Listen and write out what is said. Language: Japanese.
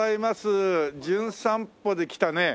『じゅん散歩』で来たね